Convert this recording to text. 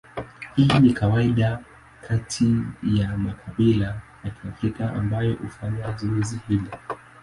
Hii ni kawaida kati ya makabila ya Kiafrika ambayo hufanya zoezi hili.